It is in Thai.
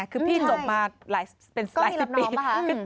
คือพี่จะมาหลายปีมีรับน้องบ้าง